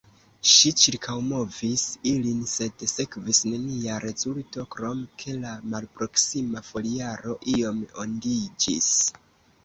Ŝi ĉirkaŭmovis ilin sed sekvis nenia rezulto krom ke la malproksima foliaro iom ondiĝis.